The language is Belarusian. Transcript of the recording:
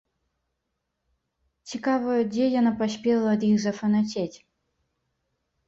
Цікава, дзе яна паспела ад іх зафанацець?